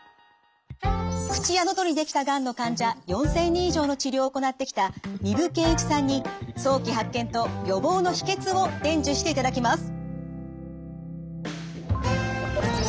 口や喉にできたがんの患者４，０００人以上の治療を行ってきた丹生健一さんに早期発見と予防の秘訣を伝授していただきます。